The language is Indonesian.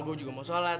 gue juga mau sholat